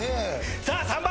さあ３番。